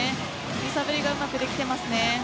揺さぶりがよくできていますね。